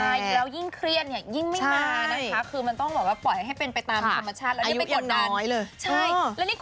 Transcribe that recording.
ใช่แล้วยิ่งเครียดเนี่ยยิ่งไม่มาใช่คือมันต้องบอกว่าปล่อยให้เป็นไปตามธรรมชาติ